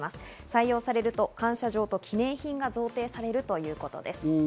採用されると感謝状と記念品が贈呈されるということです。